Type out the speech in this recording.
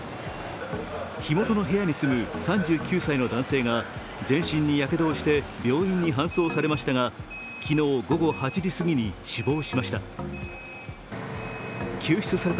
火元の部屋に住む３９歳の男性が全身にやけどをして病院に搬送されましたが、昨日午後８時すぎに死亡しました。